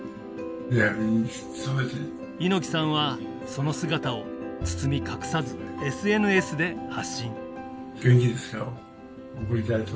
猪木さんはその姿を包み隠さずＳＮＳで発信。